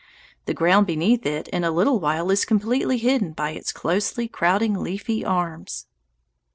The ground beneath it in a little while is completely hidden by its closely crowding leafy arms.